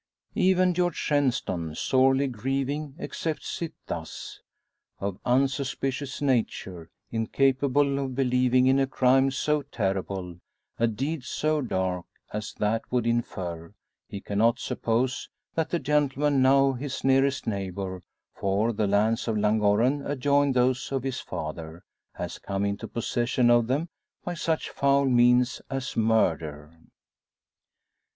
Even George Shenstone, sorely grieving, accepts it thus. Of unsuspicious nature incapable of believing in a crime so terrible a deed so dark, as that would infer he cannot suppose that the gentleman now his nearest neighbour for the lands of Llangorren adjoin those of his father has come into possession of them by such foul means as murder.